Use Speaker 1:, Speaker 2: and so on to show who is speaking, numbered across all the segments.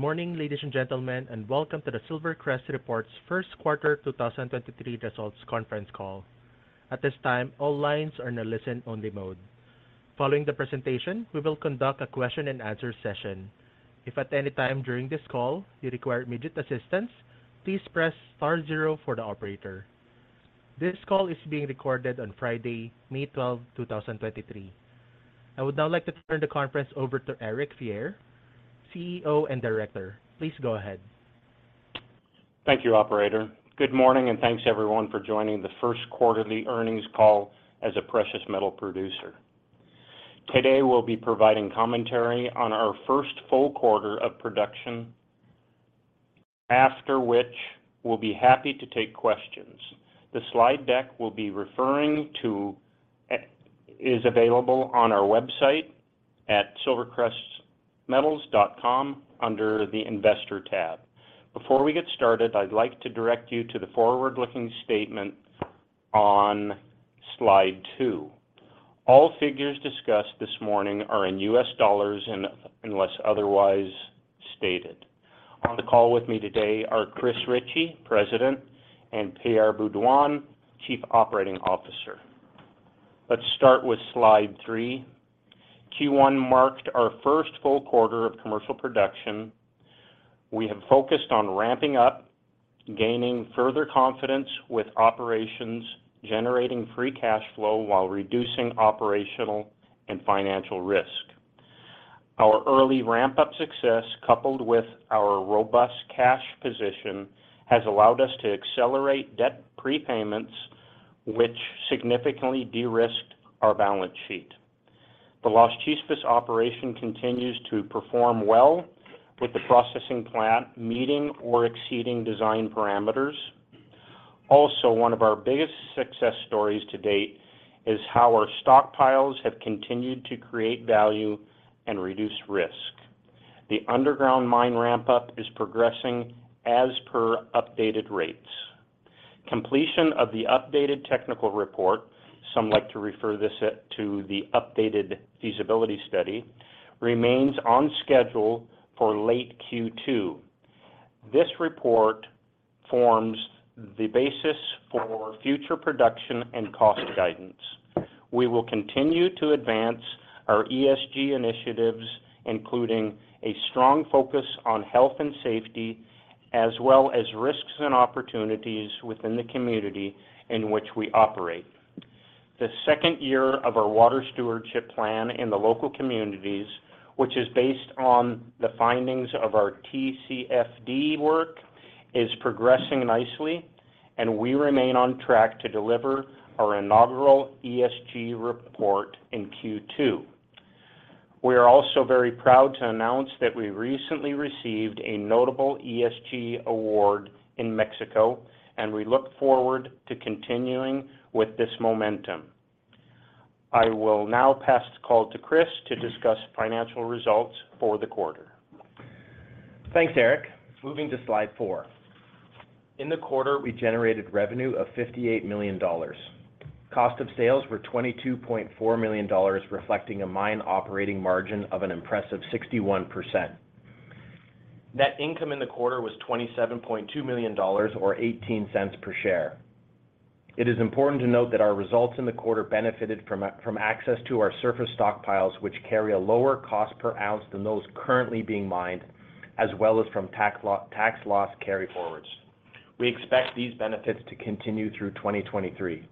Speaker 1: Morning, ladies and gentlemen, welcome to the SilverCrest reports first quarter 2023 results conference call. At this time, all lines are in a listen-only mode. Following the presentation, we will conduct a question-and-answer session. If at any time during this call you require immediate assistance, please press star zero for the operator. This call is being recorded on Friday, May 12th, 2023. I would now like to turn the conference over to Eric Fier, CEO and Director. Please go ahead.
Speaker 2: Thank you, operator. Good morning, and thanks everyone for joining the first quarterly earnings call as a precious metal producer. Today we'll be providing commentary on our first full quarter of production, after which we'll be happy to take questions. The slide deck we'll be referring to is available on our website at silvercrestmetals.com under the Investor tab. Before we get started, I'd like to direct you to the forward-looking statement on slide two. All figures discussed this morning are in US dollars unless otherwise stated. On the call with me today are Chris Ritchie, President, and Pierre Beaudoin, Chief Operating Officer. Let's start with slide three. Q1 marked our first full quarter of commercial production. We have focused on ramping up, gaining further confidence with operations, generating free cash flow while reducing operational and financial risk. Our early ramp-up success, coupled with our robust cash position, has allowed us to accelerate debt prepayments, which significantly de-risked our balance sheet. The Las Chispas operation continues to perform well with the processing plant meeting or exceeding design parameters. One of our biggest success stories to date is how our stockpiles have continued to create value and reduce risk. The underground mine ramp-up is progressing as per updated rates. Completion of the updated technical report, some like to refer this to the updated feasibility study, remains on schedule for late Q2. This report forms the basis for future production and cost guidance. We will continue to advance our ESG initiatives, including a strong focus on health and safety, as well as risks and opportunities within the community in which we operate. The second year of our water stewardship plan in the local communities, which is based on the findings of our TCFD work, is progressing nicely and we remain on track to deliver our inaugural ESG report in Q2. We are also very proud to announce that we recently received a notable ESG award in Mexico. We look forward to continuing with this momentum. I will now pass the call to Chris to discuss financial results for the quarter.
Speaker 3: Thanks, Eric. Moving to slide four. In the quarter, we generated revenue of $58 million. Cost of sales were $22.4 million, reflecting a mine operating margin of an impressive 61%. Net income in the quarter was $27.2 million or $0.18 per share. It is important to note that our results in the quarter benefited from access to our surface stockpiles, which carry a lower cost per ounce than those currently being mined, as well as from tax loss carryforwards. We expect these benefits to continue through 2023.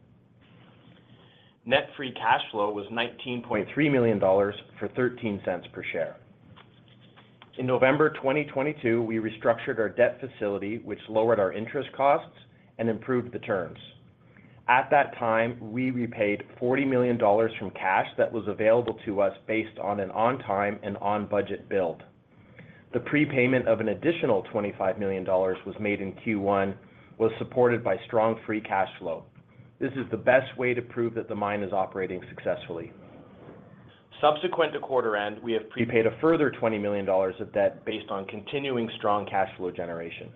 Speaker 3: Net free cash flow was $19.3 million for $0.13 per share. In November 2022, we restructured our debt facility, which lowered our interest costs and improved the terms. At that time, we repaid $40 million from cash that was available to us based on an on time and on budget build. The prepayment of an additional $25 million was made in Q1, was supported by strong free cash flow. This is the best way to prove that the mine is operating successfully. Subsequent to quarter end, we have prepaid a further $20 million of debt based on continuing strong cash flow generation.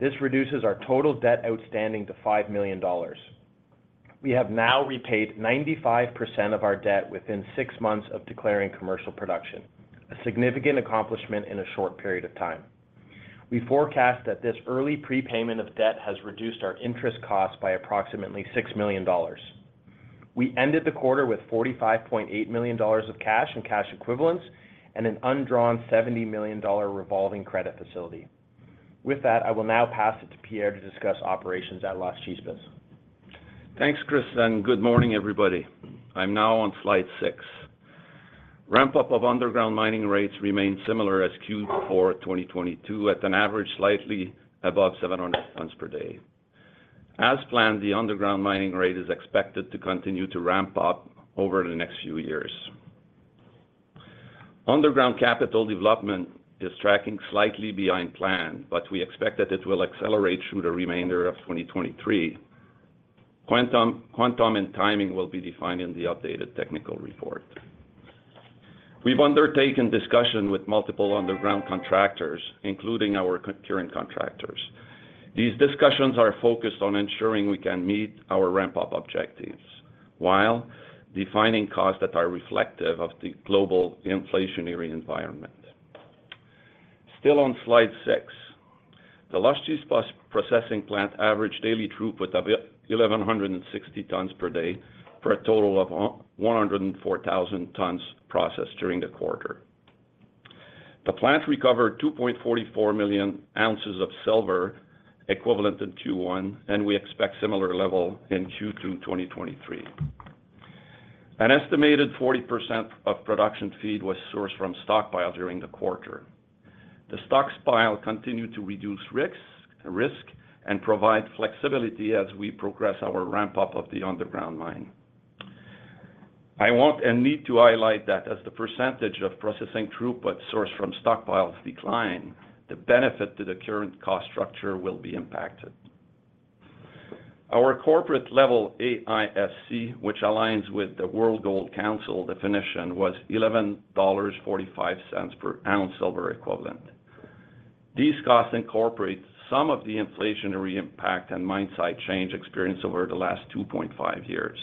Speaker 3: This reduces our total debt outstanding to $5 million. We have now repaid 95% of our debt within six months of declaring commercial production, a significant accomplishment in a short period of time. We forecast that this early prepayment of debt has reduced our interest cost by approximately $6 million. We ended the quarter with $45.8 million of cash and cash equivalents and an undrawn $70 million revolving credit facility. With that, I will now pass it to Pierre to discuss operations at Las Chispas.
Speaker 4: Thanks, Chris. Good morning, everybody. I'm now on slide six. Ramp-up of underground mining rates remain similar as Q4 2022 at an average slightly above 700 tons per day. As planned, the underground mining rate is expected to continue to ramp up over the next few years. Underground capital development is tracking slightly behind plan, but we expect that it will accelerate through the remainder of 2023. Quantum and timing will be defined in the updated technical report. We've undertaken discussion with multiple underground contractors, including our current contractors. These discussions are focused on ensuring we can meet our ramp-up objectives while defining costs that are reflective of the global inflationary environment. Still on slide six, the Las Chispas processing plant average daily throughput of 1,160 tons per day for a total of 104,000 tons processed during the quarter. The plant recovered 2.44 million ounces of silver equivalent in Q1. We expect similar level in Q2 2023. An estimated 40% of production feed was sourced from stockpile during the quarter. The stockpile continued to reduce risks and provide flexibility as we progress our ramp-up of the underground mine. I want and need to highlight that as the percentage of processing throughput sourced from stockpiles decline, the benefit to the current cost structure will be impacted. Our corporate level AISC, which aligns with the World Gold Council definition, was $11.45 per ounce silver equivalent. These costs incorporate some of the inflationary impact and mine site change experienced over the last 2.5 years.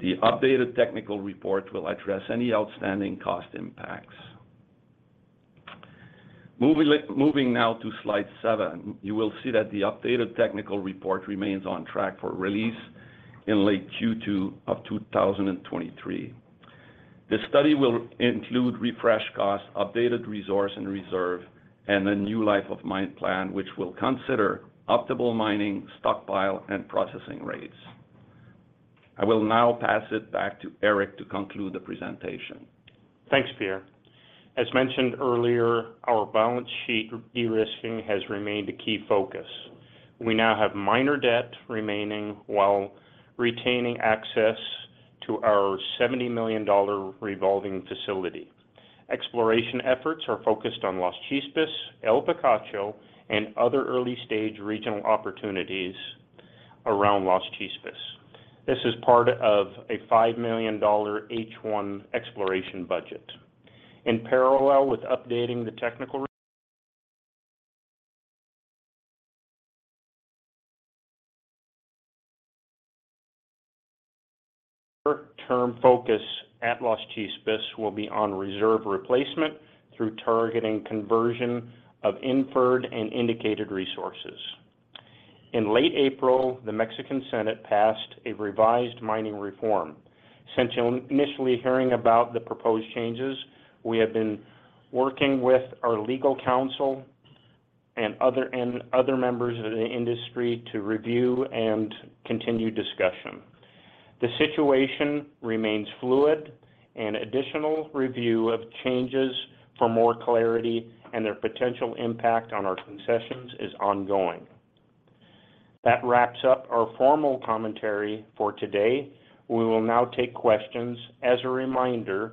Speaker 4: The updated technical report will address any outstanding cost impacts. Moving now to slide seven, you will see that the updated technical report remains on track for release in late Q2 of 2023. This study will include refresh costs, updated resource and reserve, and a new life of mine plan, which will consider optimal mining, stockpile, and processing rates. I will now pass it back to Eric to conclude the presentation.
Speaker 2: Thanks, Pierre. As mentioned earlier, our balance sheet de-risking has remained a key focus. We now have minor debt remaining while retaining access to our $70 million revolving facility. Exploration efforts are focused on Las Chispas, El Picacho, and other early-stage regional opportunities around Las Chispas. This is part of a $5 million H1 exploration budget. In parallel with updating the technical term focus at Las Chispas will be on reserve replacement through targeting conversion of inferred and indicated resources. In late April, the Mexican Senate passed a revised mining reform. Since initially hearing about the proposed changes, we have been working with our legal counsel and other members of the industry to review and continue discussion. The situation remains fluid and additional review of changes for more clarity and their potential impact on our concessions is ongoing. That wraps up our formal commentary for today. We will now take questions. As a reminder,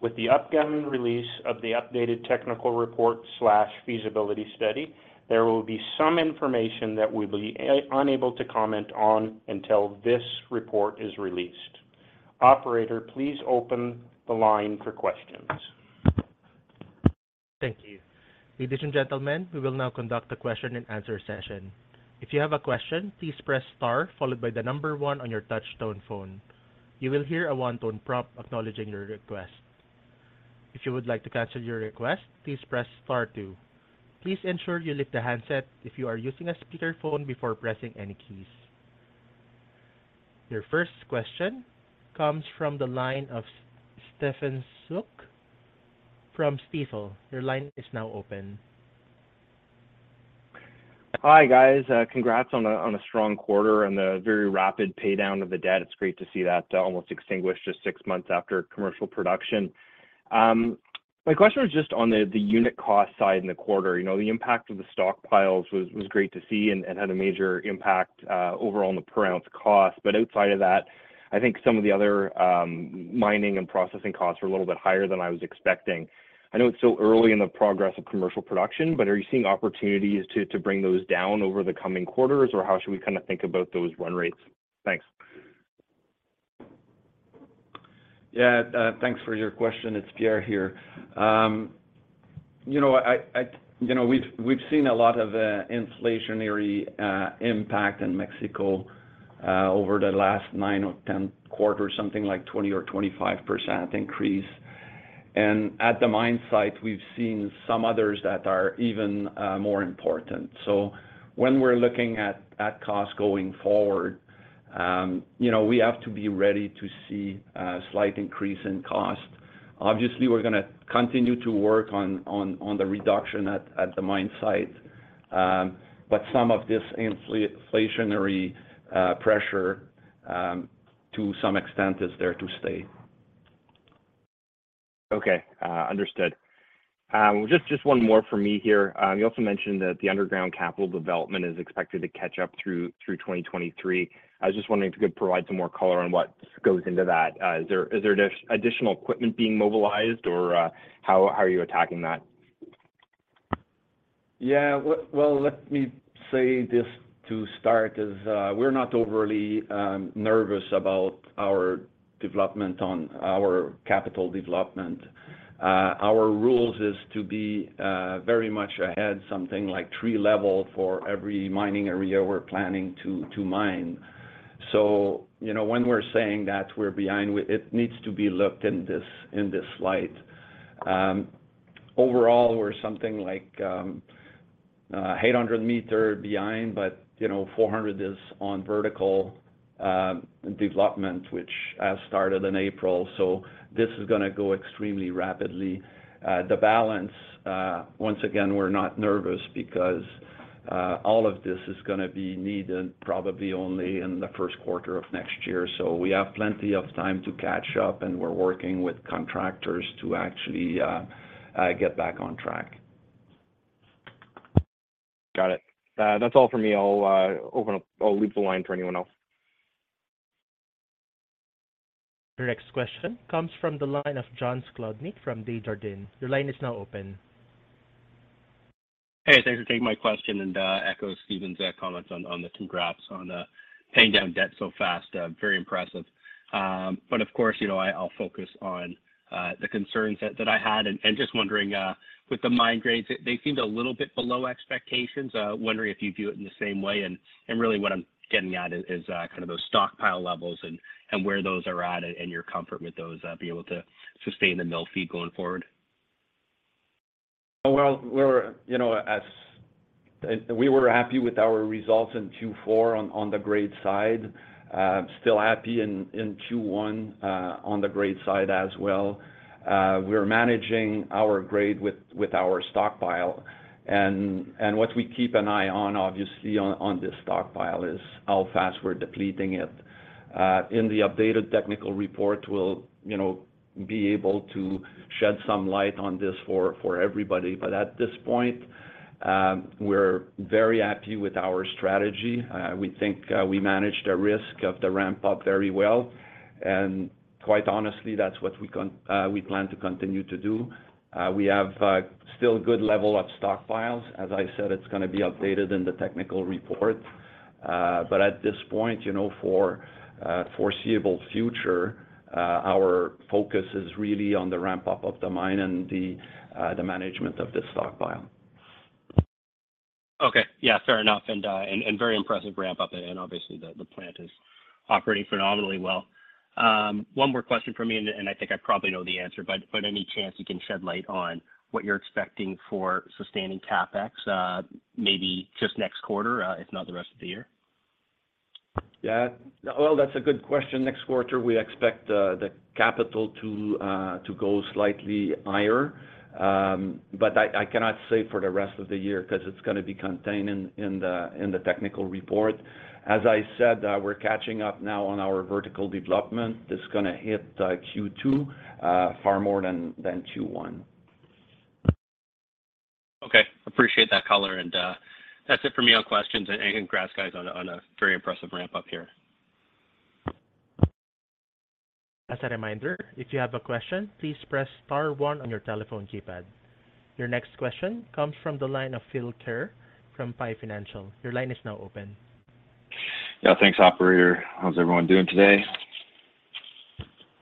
Speaker 2: with the upcoming release of the updated technical report/feasibility study, there will be some information that we'll be unable to comment on until this report is released. Operator, please open the line for questions.
Speaker 1: Thank you. Ladies and gentlemen, we will now conduct a question and answer session. If you have a question, please press star followed by the one on your touch tone phone. You will hear a one-tone prompt acknowledging your request. If you would like to cancel your request, please press star two. Please ensure you lift the handset if you are using a speakerphone before pressing any keys. Your first question comes from the line of Stephen Soock from Stifel. Your line is now open.
Speaker 5: Hi, guys. Congrats on a strong quarter and the very rapid pay down of the debt. It's great to see that, almost extinguished just six months after commercial production. My question was just on the unit cost side in the quarter. You know, the impact of the stockpiles was great to see and had a major impact, overall on the per ounce cost. Outside of that, I think some of the other mining and processing costs were a little bit higher than I was expecting. I know it's still early in the progress of commercial production, but are you seeing opportunities to bring those down over the coming quarters, or how should we kind of think about those run rates? Thanks.
Speaker 4: Yeah, thanks for your question. It's Pierre here. You know, we've seen a lot of inflationary impact in Mexico over the last nine or 10 quarters, something like 20% or 25% increase. At the mine site, we've seen some others that are even more important. When we're looking at cost going forward, you know, we have to be ready to see a slight increase in cost. Obviously, we're gonna continue to work on the reduction at the mine site. Some of this inflationary pressure to some extent is there to stay.
Speaker 5: Okay, understood. Just one more from me here. You also mentioned that the underground capital development is expected to catch up through 2023. I was just wondering if you could provide some more color on what goes into that. Is there additional equipment being mobilized or how are you attacking that?
Speaker 4: Well, let me say this to start is, we're not overly nervous about our development on our capital development. Our rules is to be very much ahead, something like three level for every mining area we're planning to mine. You know, when we're saying that we're behind, it needs to be looked in this, in this light. Overall we're something like 800 meter behind, but you know, 400 is on vertical development, which has started in April. This is gonna go extremely rapidly. The balance, once again, we're not nervous because all of this is gonna be needed probably only in the first quarter of next year. We have plenty of time to catch up, and we're working with contractors to actually get back on track.
Speaker 5: Got it. That's all for me. I'll leave the line for anyone else.
Speaker 1: Your next question comes from the line of John Sclodacos from Desjardins. Your line is now open.
Speaker 6: Hey, thanks for taking my question, and echo Stephen comments on the congrats on paying down debt so fast, very impressive. Of course, you know, I'll focus on the concerns that I had and just wondering with the mine grades, they seemed a little bit below expectations. Wondering if you view it in the same way and really what I'm getting at is kind of those stockpile levels and where those are at and your comfort with those being able to sustain the mill feed going forward.
Speaker 4: Well, we're, you know, We were happy with our results in Q4 on the grade side. Still happy in Q1 on the grade side as well. We're managing our grade with our stockpile. What we keep an eye on obviously on this stockpile is how fast we're depleting it. In the updated technical report, we'll, you know, be able to shed some light on this for everybody. At this point, we're very happy with our strategy. We think we managed the risk of the ramp-up very well, and quite honestly, that's what we plan to continue to do. We have still good level of stockpiles. As I said, it's gonna be updated in the technical report. At this point, you know, for foreseeable future, our focus is really on the ramp-up of the mine and the management of the stockpile.
Speaker 6: Okay. Yeah, fair enough. Very impressive ramp-up and obviously the plant is operating phenomenally well. One more question from me and I think I probably know the answer, but any chance you can shed light on what you're expecting for sustaining CapEx, maybe just next quarter, if not the rest of the year?
Speaker 4: Yeah. Well, that's a good question. Next quarter, we expect the capital to go slightly higher. I cannot say for the rest of the year 'cause it's gonna be contained in the technical report. As I said, we're catching up now on our vertical development. That's gonna hit Q2 far more than Q1.
Speaker 6: Okay. Appreciate that color and, that's it for me on questions and congrats guys on a, on a very impressive ramp-up here.
Speaker 1: As a reminder, if you have a question, please press star one on your telephone keypad. Your next question comes from the line of Phil Kerr from PI Financial. Your line is now open.
Speaker 7: Yeah, thanks operator. How's everyone doing today?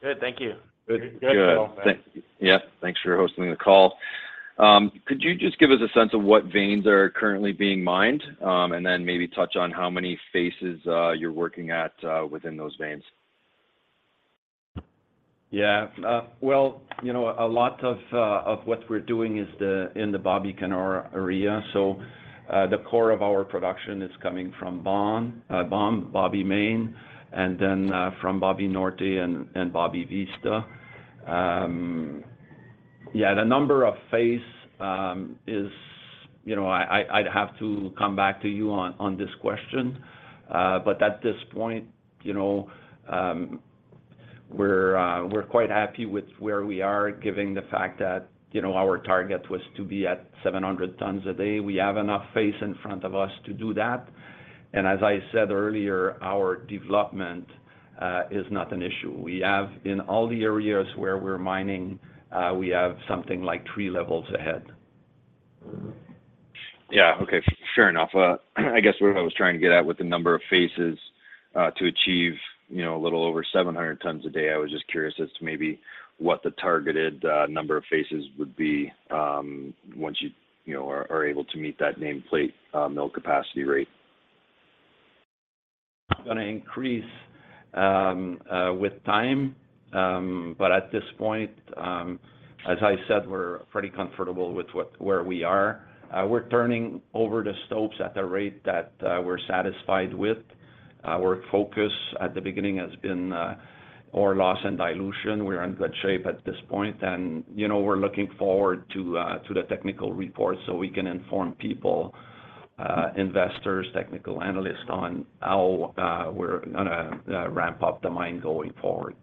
Speaker 4: Good, thank you.
Speaker 2: Good.
Speaker 7: Good. Yeah, thanks for hosting the call. Could you just give us a sense of what veins are currently being mined, and then maybe touch on how many faces you're working at within those veins?
Speaker 4: Well, you know, a lot of what we're doing is the, in the Babicanora area. The core of our production is coming from Bon, Babi Main, and then, from Babi Norte and Babi Vista. The number of face is, you know, I'd have to come back to you on this question. At this point, you know, we're quite happy with where we are given the fact that, you know, our target was to be at 700 tons a day. We have enough face in front of us to do that. As I said earlier, our development is not an issue. We have, in all the areas where we're mining, we have something like three levels ahead.
Speaker 7: Yeah. Okay. Fair enough. I guess what I was trying to get at with the number of faces, to achieve, you know, a little over 700 tons a day, I was just curious as to maybe what the targeted number of faces would be, once you know, are able to meet that nameplate mill capacity rate.
Speaker 4: It's gonna increase with time. At this point, as I said, we're pretty comfortable with where we are. We're turning over the stopes at a rate that we're satisfied with. Our focus at the beginning has been ore loss and dilution. We're in good shape at this point and, you know, we're looking forward to the technical report so we can inform people, investors, technical analysts on how we're gonna ramp up the mine going forward.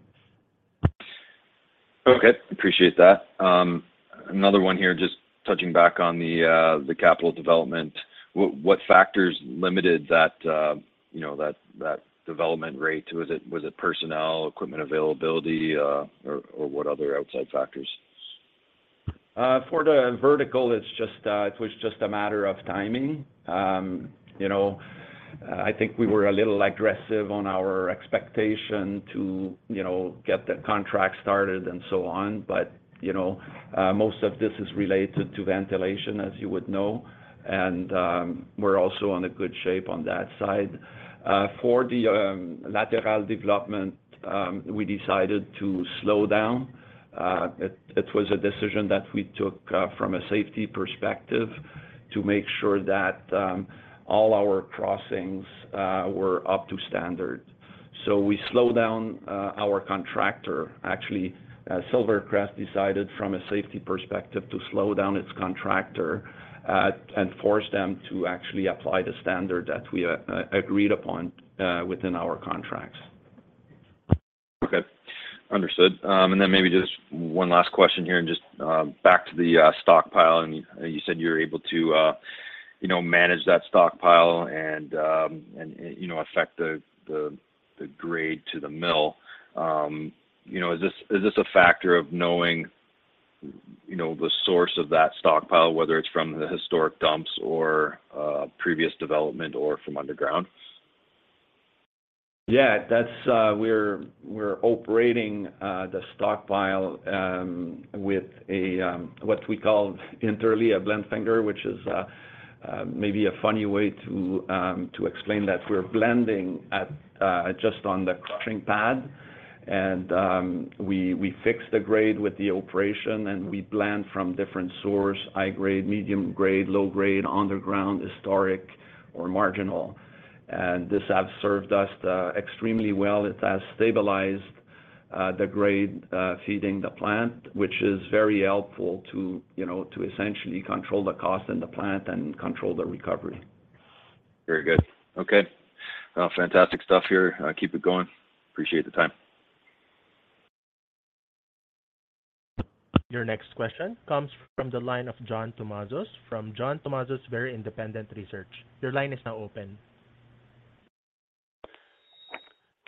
Speaker 7: Okay. Appreciate that. Another one here just touching back on the capital development. What factors limited that, you know, that development rate? Was it personnel, equipment availability, or what other outside factors?
Speaker 4: For the vertical, it's just, it was just a matter of timing. You know, I think we were a little aggressive on our expectation to, you know, get the contract started and so on. You know, most of this is related to ventilation, as you would know, and, we're also in a good shape on that side. For the lateral development, we decided to slow down. It was a decision that we took, from a safety perspective to make sure that all our crossings, were up to standard. We slowed down, our contractor. Actually, SilverCrest decided from a safety perspective to slow down its contractor, and force them to actually apply the standard that we agreed upon, within our contracts.
Speaker 7: Okay. Understood. Then maybe just one last question here, and just back to the stockpile. You said you're able to, you know, manage that stockpile and, you know, affect the grade to the mill. You know, is this a factor of knowing, you know, the source of that stockpile, whether it's from the historic dumps or previous development or from underground?
Speaker 4: We're operating the stockpile with a what we call internally a blending finger, which is maybe a funny way to explain that we're blending at just on the crushing pad. We fix the grade with the operation, and we blend from different source, high grade, medium grade, low grade, underground, historic or marginal. This has served us extremely well. It has stabilized the grade feeding the plant, which is very helpful to, you know, to essentially control the cost in the plant and control the recovery.
Speaker 7: Very good. Okay. Well, fantastic stuff here. Keep it going. Appreciate the time.
Speaker 1: Your next question comes from the line of John Tumazos from John Tumazos Very Independent Research. Your line is now open.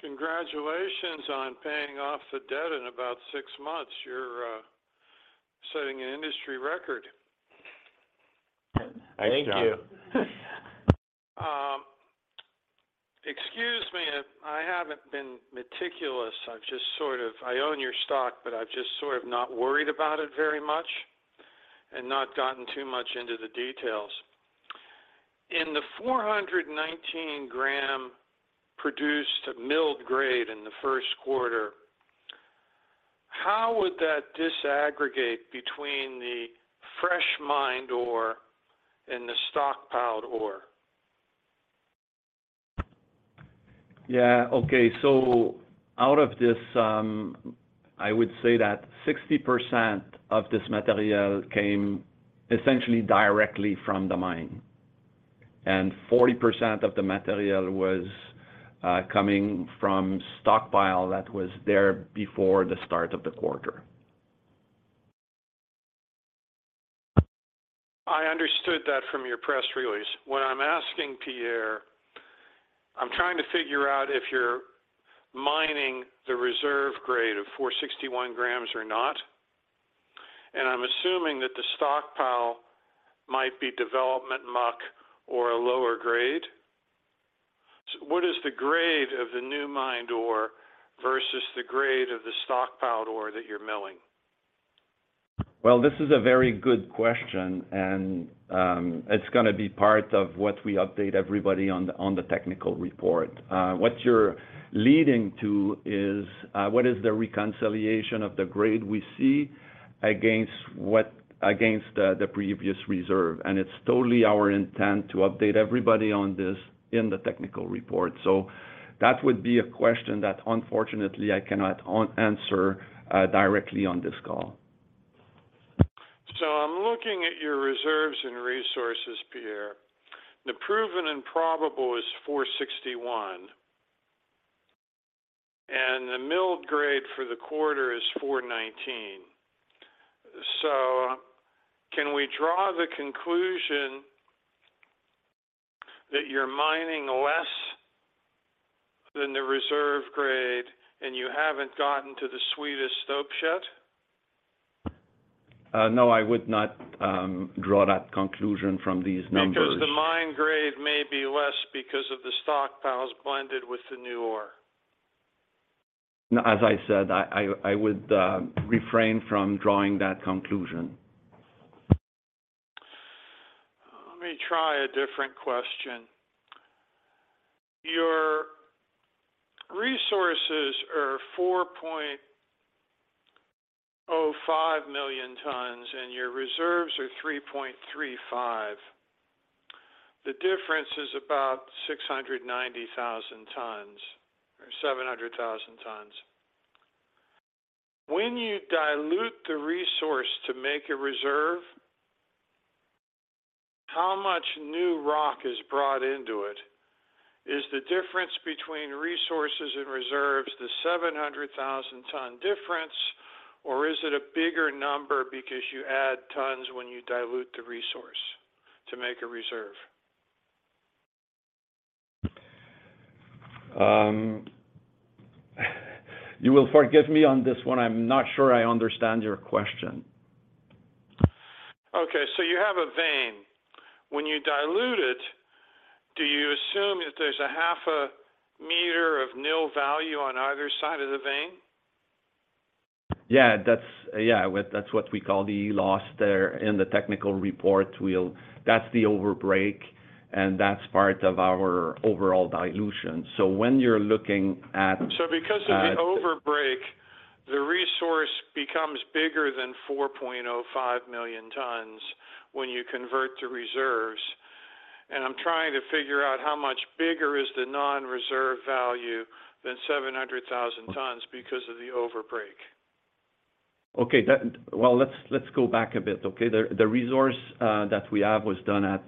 Speaker 8: Congratulations on paying off the debt in about six months. You're setting an industry record.
Speaker 4: Thanks, John.
Speaker 2: Thank you.
Speaker 8: Excuse me if I haven't been meticulous. I own your stock, but I've just sort of not worried about it very much and not gotten too much into the details. In the 419 gram produced milled grade in the first quarter, how would that disaggregate between the fresh mined ore and the stockpiled ore?
Speaker 4: Yeah. Okay. Out of this, I would say that 60% of this material came essentially directly from the mine, and 40% of the material was coming from stockpile that was there before the start of the quarter.
Speaker 8: I understood that from your press release. What I'm asking, Pierre, I'm trying to figure out if you're mining the reserve grade of 461 grams or not, and I'm assuming that the stockpile might be development muck or a lower grade. What is the grade of the new mined ore versus the grade of the stockpiled ore that you're milling?
Speaker 4: This is a very good question, and it's gonna be part of what we update everybody on the technical report. What you're leading to is what is the reconciliation of the grade we see against the previous reserve. It's totally our intent to update everybody on this in the technical report. That would be a question that, unfortunately, I cannot answer directly on this call.
Speaker 8: I'm looking at your reserves and resources, Pierre. The proven and probable is 461, and the milled grade for the quarter is 419. Can we draw the conclusion that you're mining less than the reserve grade and you haven't gotten to the sweetest stope yet?
Speaker 4: No, I would not draw that conclusion from these numbers.
Speaker 8: Because the mine grade may be less because of the stockpiles blended with the new ore.
Speaker 4: As I said, I would refrain from drawing that conclusion.
Speaker 8: Let me try a different question. Your resources are 4.05 million tons, and your reserves are 3.35. The difference is about 690,000 tons or 700,000 tons. When you dilute the resource to make a reserve, how much new rock is brought into it? Is the difference between resources and reserves the 700,000 ton difference, or is it a bigger number because you add tons when you dilute the resource to make a reserve?
Speaker 4: You will forgive me on this one. I'm not sure I understand your question.
Speaker 8: Okay. You have a vein. When you dilute it, do you assume that there's a half a meter of nil value on either side of the vein?
Speaker 4: Yeah. That's. Yeah, that's what we call the loss there in the technical report. That's the overbreak. That's part of our overall dilution. When you're looking at.
Speaker 8: Because of the overbreak, the resource becomes bigger than 4.05 million tons when you convert to reserves. I'm trying to figure out how much bigger is the non-reserve value than 700,000 tons because of the overbreak.
Speaker 4: Okay. Well, let's go back a bit, okay? The resource that we have was done at,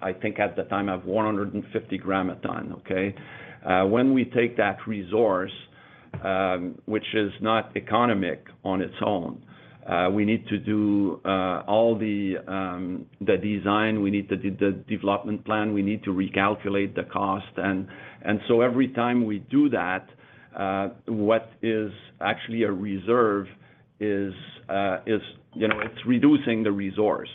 Speaker 4: I think at the time, at 150 gram a ton, okay? When we take that resource, which is not economic on its own, we need to do all the design, we need to do the development plan, we need to recalculate the cost. Every time we do that, what is actually a reserve is, you know, it's reducing the resource.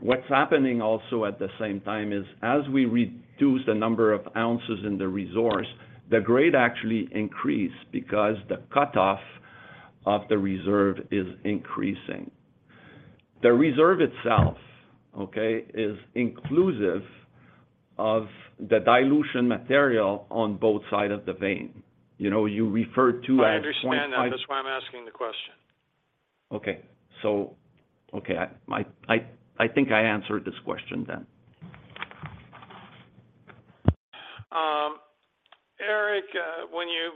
Speaker 4: What's happening also at the same time is as we reduce the number of ounces in the resource, the grade actually increase because the cutoff of the reserve is increasing. The reserve itself, okay, is inclusive of the dilution material on both side of the vein. You know, you referred to at one point.
Speaker 8: I understand that. That's why I'm asking the question.
Speaker 4: Okay. okay, I think I answered this question then.
Speaker 8: Eric, when you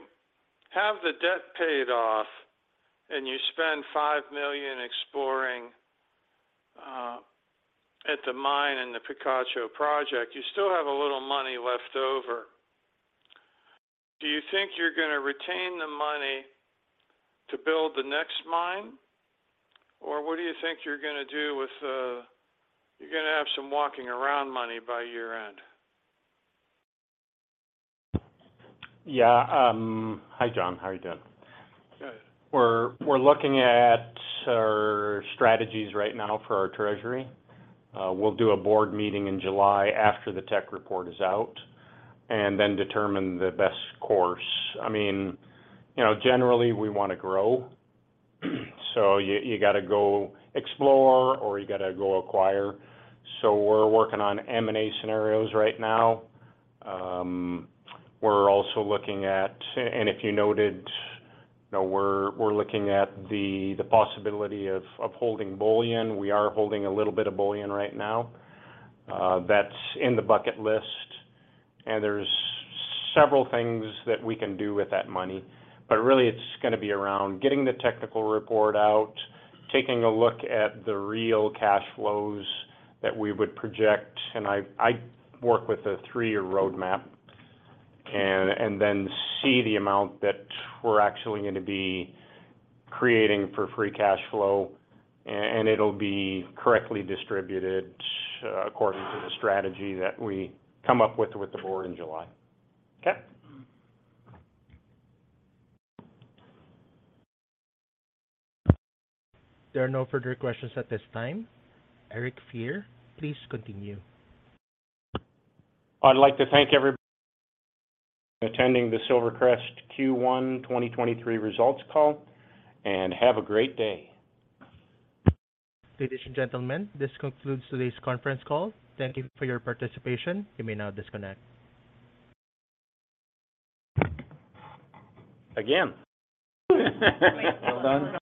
Speaker 8: have the debt paid off and you spend $5 million exploring, at the mine in the Picacho project, you still have a little money left over. Do you think you're gonna retain the money to build the next mine? What do you think you're gonna do with, you're gonna have some walking around money by year-end?
Speaker 2: Yeah. Hi, John. How are you doing?
Speaker 8: Good.
Speaker 2: We're looking at our strategies right now for our treasury. We'll do a board meeting in July after the tech report is out and then determine the best course. I mean, you know, generally, we wanna grow, you gotta go explore or you gotta go acquire. We're working on M&A scenarios right now. We're also looking at and if you noted, you know, we're looking at the possibility of holding bullion. We are holding a little bit of bullion right now. That's in the bucket list. There's several things that we can do with that money. Really it's gonna be around getting the technical report out, taking a look at the real cash flows that we would project. I work with a three-year roadmap and then see the amount that we're actually gonna be creating for free cash flow, and it'll be correctly distributed according to the strategy that we come up with with the board in July.
Speaker 8: Okay.
Speaker 1: There are no further questions at this time. Eric Fier, please continue.
Speaker 2: I'd like to thank everybody for attending the SilverCrest Q1 2023 results call, and have a great day.
Speaker 1: Ladies and gentlemen, this concludes today's conference call. Thank you for your participation. You may now disconnect.
Speaker 2: Again.
Speaker 4: Well done.
Speaker 1: Yeah.